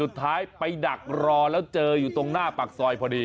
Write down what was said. สุดท้ายไปดักรอแล้วเจออยู่ตรงหน้าปากซอยพอดี